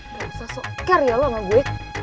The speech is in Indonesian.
gak usah soker ya lo sama gue